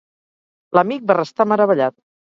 L’amic va restar meravellat.